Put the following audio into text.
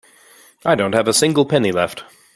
I don't have a single penny left.